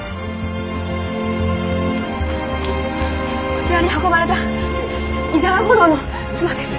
こちらに運ばれた伊沢吾良の妻です。